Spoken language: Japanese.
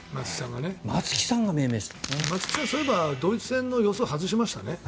松木さん、そういえばドイツ戦の予想外しましたね。